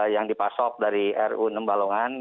yang dipasok dari ru enam balongan